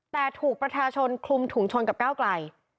แต่ถูกประชาชนคลุมถุงชนกับก้าวไกล